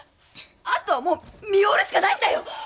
あとはもう身を売るしかないんだよ！